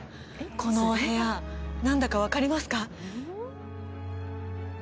このお部屋何だか分かりますか？